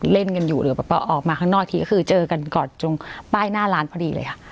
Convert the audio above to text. เล่นกันอยู่หรือแบบว่าออกมาข้างนอกทีก็คือเจอกันก่อนตรงป้ายหน้าร้านพอดีเลยค่ะ